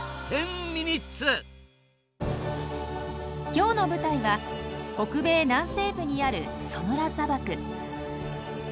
今日の舞台は北米南西部にあるソノラ砂漠。